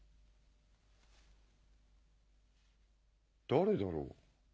誰だろう？